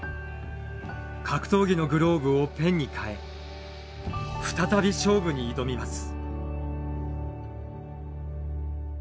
格闘技のグローブをペンに替え再び勝負に挑みます。